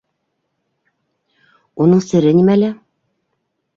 Уның сере нимәлә?